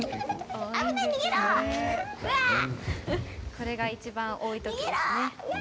これがいちばん多い時ですね。